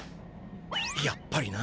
やっぱりな！